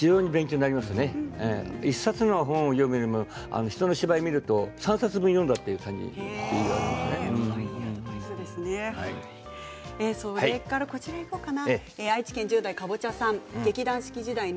１冊の本を読むよりも人の芝居を見ると３冊分読んだ感じがあるからね。